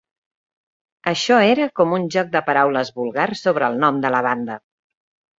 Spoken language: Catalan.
Això era com un joc de paraules vulgar sobre el nom de la banda.